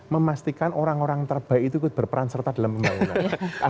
memastikan orang orang terbaik itu ikut berperan serta dalam pembangunan